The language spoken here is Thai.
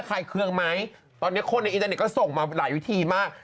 ตอนนี้คนในอินเทอร์เน็ตก็ส่งมาหลายวิธีมาก